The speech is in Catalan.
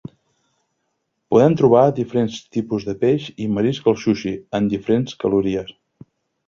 Podem trobar diferents tipus de peix i marisc al sushi amb diferents calories.